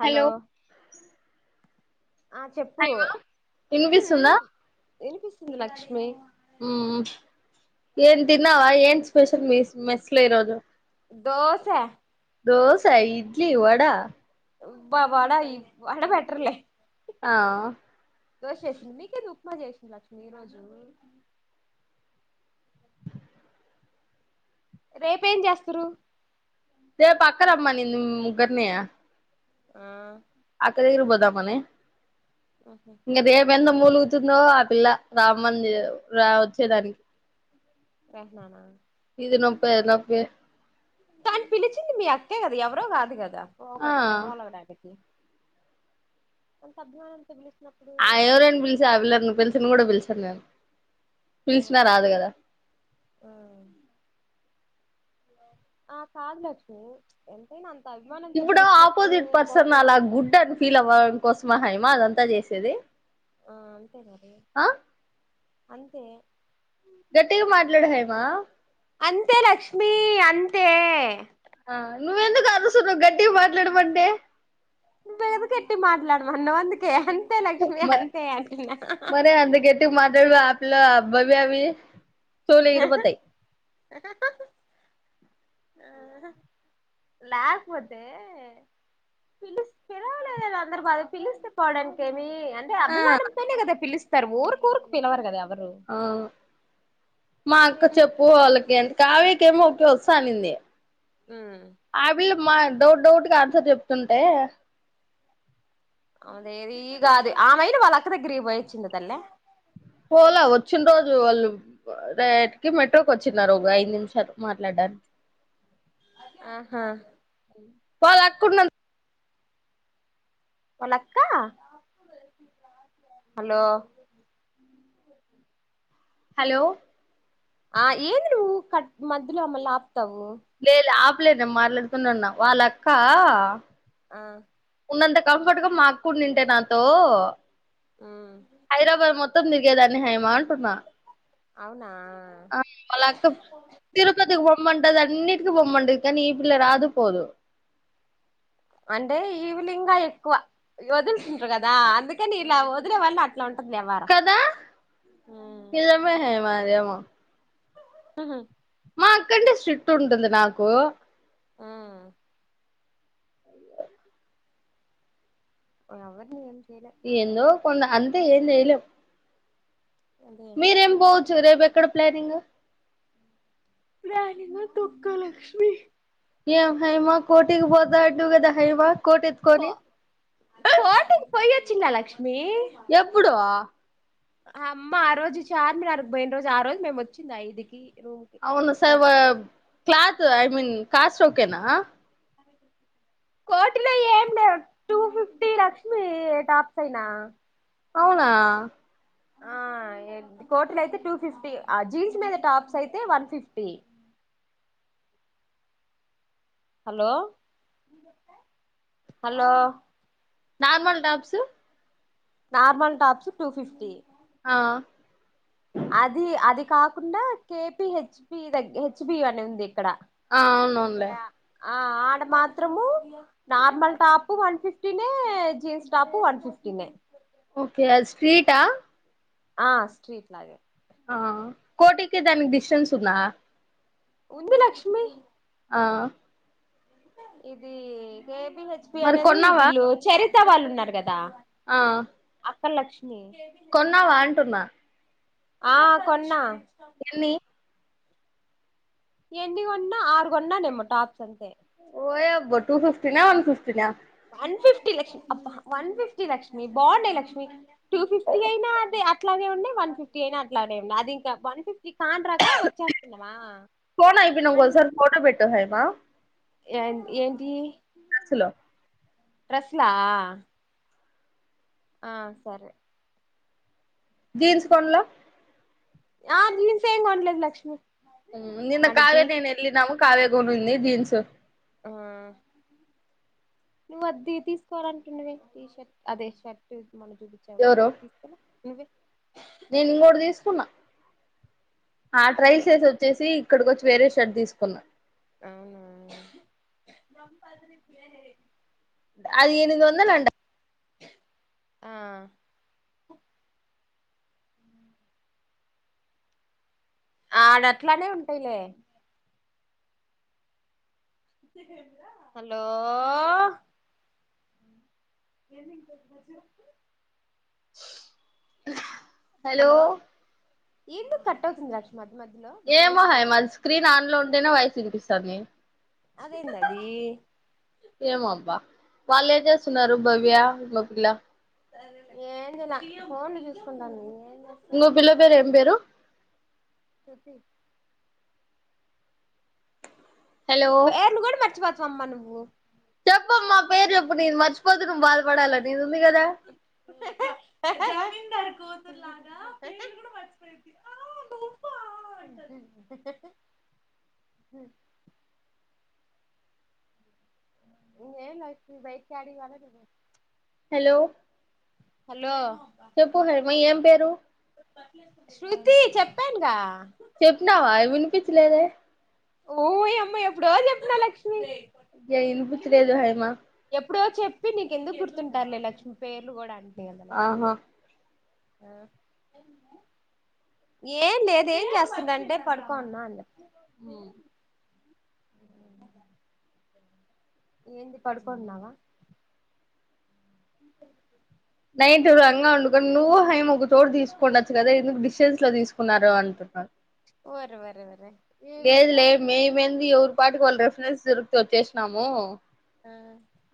Hello ఆ చెప్పు hello ఉమ్మ్ వినిపిస్తుందా ఉమ్మ్ వినిపిస్తుంది లక్ష్మి ఉమ్మ్ ఎన్ తినవా ఏన్ స్పెషల్ మస్ మెస్లు ఈ రోజు దోసే దోసే ఇడ్లీ వడా బా వడా ఈ వాడ పేటర్లే ఆ దోష చేసింది మీకేది ఉప్మా చేసింది లక్ష్మి ఈ రోజు రేప్ ఏం చేస్తారు రేపు అక్క రమ్మంది ముగగరనియా ఆ అక్క దగ్గర పోదామని ఆహా ఇగా రేపు ఏందో మలుగుతుందో ఆ పిల్ల రామ్మంది రా వచ్చేదానికి రెహానా ఇదిన్నప్ప ఎలాప్ప దాని పిలిచింది మీ అక్క కదా ఎవరో కాదు కదా ఆ అంత అధ్వానంగా ఆ ఎవరైనా పిలిచా ఆ పిల్లరును పిలిచిన కూడా పిలిచాను నేను పిలిచినా అవునా రాదు కదా ఆ ఆ కాదు లక్ష్మి ఎంతైనా అ ఇప్పుడు ఆపోజిట్ పర్సన్ అలా గుడ్ తప్పు అని ఫీల్ అవ్వడం కోసమా హై మా అంతా చేసేది ఆ అంతే గాదే ఆ అంతే గట్టిగా మాట్లాడు హైమా అంతే లక్ష్మిీ అంతే ఆ నువ్వెందుకు అరుస్తున్నావ్ గట్టిగా మాట్లాడమంటే నువ్వే కదా గట్టిగా మాట్లాడమన్నావ్ అందుకే లక్ష్మి మ అంతే అంటున్నా మరి అంత గట్టిగా మాట్లాడాలా ఆ పిల్ల భవ్య వి చెవులు ఎగిరిపోతాయి లేకపోతే పిలిస్ పిలవలేదు అని అందరి బాధ పిలిస్తే పోవడానికిేమి అంటే ఆ అభిమానంతోనే కదా పిలుస్తారు ఊరు ఊరుకు పిలవారు కదా ఎవరు ఆ మా అక్క ఏందో పిచ్చి చెప్పువాళకి ఎంత కావ కావ్యక ఏమో వస్తాననింది హమ్ మా డౌట్ డౌట్ గా ఆన్సర్ చెప్తుంటే అదేది ఈ గాదు ఆ మైలు వాళ్ళ అక్క దగ్గరికి పోయించిందా తల్లీ పోలా వచ్చిన రోజు వాళ్ళు రేకి మెట్రోకి వచ్చిన్నారు ఒక ఐదు నిమిషాలు మాట్లాడడానికి ఆహా వాళ్ళక్క వాళ్ళక్క హలో హలో ఆ ఏంది నువ్వు కట్ మధ్యలో మల్లా లేలే ఆపలేదు నేను మాట్లాడుతూనే ఉన్నా వాళ్ళక్క ఆ ఉన్నంత కంఫర్ట్గా మా అక్క ఉన్నిఉంటే నాతో ఉమ్ హైదరాబాద్ మొత్తం మొత్తం తిరిగేదాన్ని హైమ అంటున్నా అవునా ఆ వాళ్ళ అక్క తిరుపతికి పోమ్మంటది అన్నిీ అన్నిటికి పోమంటది ఈ పిల్ల రాదు పోదు అంటే ఈ పిల్ల ఇంకా ఎక్కువ వదులుతుంటారు కదా అందుకని ఇలా వదిలే వాళ్ళ కదా నిజమే హేమ అదేమో ఆహా మా అక్కంటే స్ట్రిక్ట్ ఉంటుంది నాకు ఆ ఎవరిని చేయలే ఎందో ఉండని కొంద అంతే ఏమి చేయలేం అదే మీరేం పోవచ్చు కదా రేపు ఎక్కడ ప్లానింగ్ ప్లానింగ్ తొక్క లక్ష్మి ఏ హైమ కోటికి పోతా అంటివి కదా హైమ కో కోటకి పోయి వచ్చిన లక్ష్మి ఎప్పుడు ఆ అమ్మ ఆ రోజు చార్మినార్కి పోయిన రోజు ఆ రోజు మేము వచ్చింది ఐదుకి రూమ్ కి అవును సరే అదే మరి క్లాత్ ఐ మీన్ కాస్ట్ ఓకేనా కోటిలో ఏం లేవు టూ ఫిఫ్టీ లక్ష్మి టాప్స్ అయినా అవునా ఆ కోట్లు అయితే టూ ఫిఫ్టీ ఆ జీన్స్ మీద టాప్స్ అయితే one fifty hello hello normal tops normal tops two fifty ఆ అది అది కాకుండా కేపి హెచ్బి దగ హెచ్బి అని ఉంది ఇక్కడ ఆ అవునవున్లే ఆ ఆడ మాత్రము నార్మల్ టాపు వన్ ఫిఫ్టీనే జీన్స్ టాపు వన్ ఫిఫ్టీనే. ఓకే అద్ స్ట్రీట? ఆ స్ట్రీట్ లాగే ఆ కోటికి దానికి డిస్టెన్స్ ఉంద? ఉంది లక్ష్మి ఆ ఇది కేప్ పి హెచ్ పి మరి అనేది కొన్నావా వీళ్ళు చరిత వాళ్ళు ఉన్నారు కదా ఆ అక్క లక్ష్ కొన్నావా అంటున్నా. ఆ కొన్నా ఎన్ని ఎన్ని కొన్నా ఆరుగొన్ననేమో టాప్స్ అంతే. ఓయబ్బో టు ఫిఫ్టీ నా వన్ఫిఫ్టీ నా వన్ ఫిఫ్టీ లక్ష్మి అబ్బా వన్ ఫిఫ్టీ లక్ష్మి బాగుండాయి లక్ష్మి టూ ఫిఫ్టీ అయినా అదే అట్లాగే ఉన్నాయ్ వన్ ఫిఫ్టీ అయినా అట్లానే అదింకా వన్ ఫిఫ్ ఫోన్ అయిపోయినాక ఒకసారి ఫోటో పెట్టు హైమ ఎన్ ఏంటియి డ్రెస్ లో డ్రెస్సులా? ఆ సరే జీన్స్ కొండ్ల ఆ జీన్స్ ఏం కొనలేదు లక్ష్మి. ఊ నిన్న ఆడ కావ్య జీన్స్ నేను వెళ్ళినాము కావ్య కొనింది జీన్స్ ఉ. ఆ [inaudible] నువ్వు అది తీ తీసుకోవాలంటున్నవే టీ షర్ట్ అదే షర్ట్ మొన్న చూపించావు కదా ఎవరు అద్ తీసుకోలే నువ్వే నేను ఇంకోటి తీసుకున్నా ఆ ఆల్రెడీ ట్రైల్స్ వేసి తీసు వచ్చేసి ఇక్కడికి కొచ్చి వేరే షట్ తీసుకున్నా అవునా అది ఎనిమిది వందలు అంట ఆ ఆడట్లానే ఉంటయిలే హలో [unintelligible] హలో ఎందుకు కట్ అవుతుంది లక్ష్మి అది ఏమో హైమ అది స్క్రీన్ ఆన్ లో ఉంటేనే వయిసు ఇనిపిస్తాంది. అదేందది. ఏమో అబ్బా వాళ్ళు ఏం చేస్తున్నారు? భవ్య ఇంకో పిల్ల. ఏం జేయల ఫోన్లు చూసుకుంటాంది. ఇంగో పిల్ల పేరు ఏం పేరు హలో పేర్లు కూడా మర్చిపోతావా అమ్మ నువ్వు చెప్పమ్మా పేర్లు ఇప్పుడు నీది మర్చిపోతే నువ్వు బాధపడాలే నీది ఉంది గదా జమీందారి కూతురు లాగా పేర్లు కూడా మర్చిపోయింది. ఆ [inaudible] హ్ ఇన్నేళ్లు అయితుంది బయటికి ఏడికి వాలతో తెలియద్ హలో హలో చెప్పు హైమ ఏం పేరు టీ చెప్పానగా చెప్పినావా వినిపించలేదే ఓయమ్మ ఎప్పుడో జేప్పిన లక్ష్ ఇగా ఇనిపించలేదు హైమా ఇప్పుడే చెప్పి నీకు ఎందుకు గుర్తుంటాయిలే లక్ష్మి పేర్లు గూడాఅన్ ఆహా ఆ ఏం లేదు ఏం జేస్తుందంటే పడుకోన్ ఉన్నా అన్ జేప్ ఊ ఉ ఏంది పడుకొనున్నావా నైటు రంగా ఉండుకొనీ నువ్వు హైమా ఒక చోటు దిసుకొండొచ్చు గదా ఎందుకు డిషెస్ ఇట్లా దిసుకున్నారో అనుకుంటా ఓర్ వార్ వారే లేదు లే మీమేంది ఎవరి పాటు వాళ్ళు రిఫరెన్స్ దొరుకతే వచ్చేసినాము. ఆ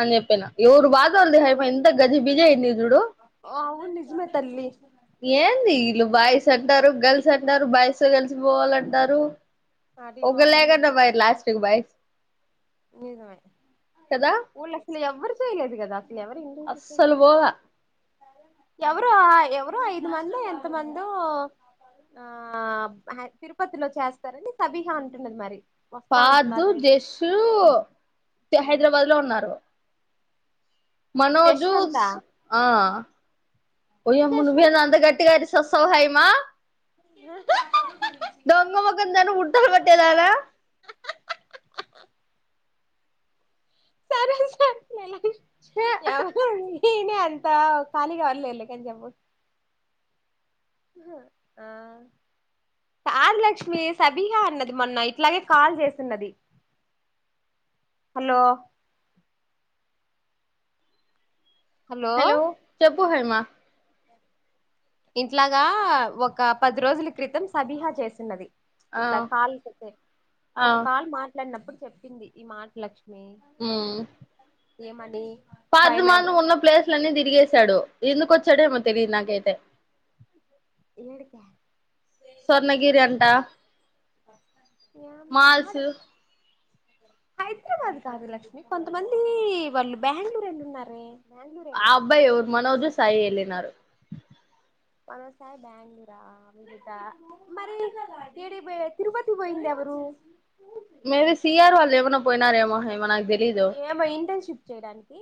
అన్ జేపిన ఎవరు బాధ ఓలది హైమా ఎంత గజి బిజి అయింద్ జూడు ఆ అవును నిజమే తల్లి ఏంది ఈళ్ళు వాయిస్ ఆర్ డరు గర్ల్స్ అంటారు బాయ్స్ గర్ల్స్ బోవాలంటారు. అది ఒకలేగాన్ బాయ్ లాస్ట్కీ బాయ్ ఊర్ల అసలు ఎవరి చేయలేదు గదా అసలు ఎవరు ఇంగ్లీష్ అస్సలు చెప్పేచేయాలె పోలా ఎవరో ఎవరో ఐదు మందో ఎంత మందో ఆ హై తిరుపతిలో చేస్తారని తబీహా అంటున్నది మరి వస్తా పాదు అంటున్నారు రేపు జేషు తే హైద్రాబాద్ లో ఉన్నారు. మనోజుస్ జశ్వంత ఆ ఓయమ్మా జస్వంత్ నువ్వేనా అంత గట్టిగ్ అరస్ ఒసావ్ హైమా దొంగ ముఖందాన ఉడతల్ వట్టేదాన సరే సరే లే లాహిష్ ఎవరది హినే అంత ఖాలిగా వర్లే ఇల్లకేల్చి ఎవర్ ఆ పాద్ లక్ష్మి సబిహా అన్నది మొన్న ఇట్లాగే కాల్ జేసున్నది. హలో హలో పో హైమా ఇంట్లాగా ఒక పది రోజుల క్రితం సబీహా చేసినది ఆ ఇట్లా కాల్ ఆ ఒక మాట్లాడినప్పుడు చెప్పింది ఈ మాట లక్ష్మి ఉమ్ ఏమని ఫైవ్ మేమ్ పాతమాత్ర ఉన్న ప్లేస్లన్నీ తిరిగేశాడు ఎందుకు వచ్చాడేమో తెలియదు నాకైతే ఏడుక స్వర్ణగిరి అంటా ఓ మాల్స్ హైదరాబాద్ కాదు లక్ష్మి కొంతమంది వాళ్ళు బెంగళూరు వెళ్ళ ఉన్నారే ఆ అబ్బాయి ఎరు మనోజ సాయి వెళ్ళినారు [unintelligible] [unintelligible] మేబ సీఆర్ వాళ్ళు ఏమన పోయినాారేమ హ ఏమనా ఏమో ఇంటర్న్షిప్ చేయడానికి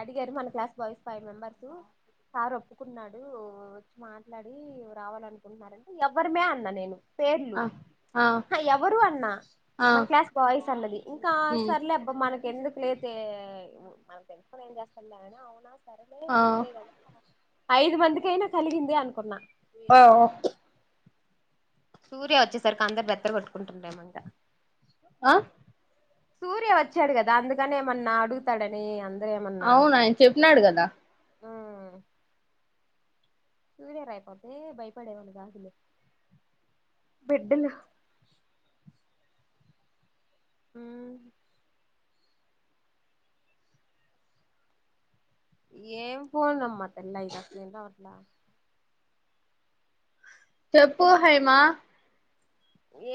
అడిగారు మన class boys five members sir ఒప్పుకున్నాడు వచ్చి మాట్లాడి రావాలనుకుంటున్నారంటే ఎవరిమే అన్న నేను పేర్లు ఆ ఆ ఎవరు అన్నా ఆ మన క్లాస్ బాయ్స్ అన్నది ఇంకా ఉమ్ సర్లేబ్బ మన ఎందుకు లేైతే మనం తెలుసుకొని ఏం చేస్తనా అవునా ఆ ఐదు మందికిైనా కలిగింది అనుకున్నా ఓ సూర్య వచ్చేసరికి అందరు బెత్తర కొట్టుకుంటుండేమంట ఆహ్ సూర్య వచ్చాడు కదా అందుకనే ఏమన్నా అడుగుతాడని అ అవును ఆయన చెప్పినాడు కదా సూర్యరయపోతే భయపడేవన్న కాదులు బిడ్డలు అ ఏం పోడందమ్మా తెల్ల ఇకాలేంట వర్లా చెప్పు హైమా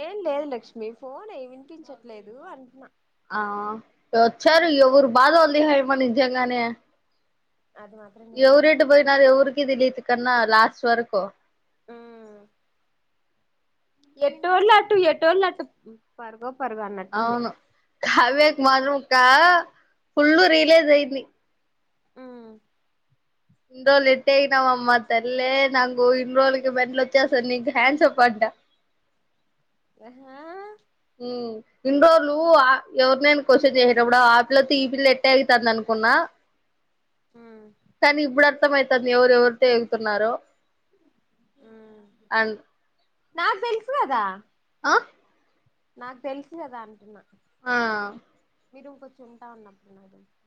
ఏం లేదు లక్ష్మి ఫోన్ అయ్యి వినిపించట్లేదు అంటున్నా ఆ వచ్చారు ఎవరు బాధ ఉంది హైమా నిజంగానే అది మాత్రం నిజమే ఎవరిెడ్ పోయినార ఎవరికి ఇ తెలియదు కన్నా లాస్ట్ వరకు యెట్లు అటు యెట్లు అటు పరుగో అన్నట్టుంది అవును కావ్యకు మాత్రం ఒ ఫుల్ రిలైజ్ అయింది హమ్ ఇన్ రోజులు ఎట్టే అయినావమ్మా తల్లే నంగ ఇన్ రోజులకి మెంలు వచ్చేసారు నీ హ్యాండ్స్ అప్పంట హా ఉ ఇన్ని నువవు ఆ ఎవర్ నేన్ క్వశ్చన్ చేససి కూడా ఆ పిలత్ ఈ పిల్ ఎట్టే ఆగతది అనుకో ఉన్నా హమ్ కానీ ఇప్పుడు అర్థంమవుతుంది ఎవరుెవరితో ఎగుతున్నారో ఆన్ నాా తెలుసువదా ఆ నాకు తెలుసు కదా అంటున్నా ఆ మీరు కొచ్చుంటా ఉన్నప్పుడు నాక్ తెల్సి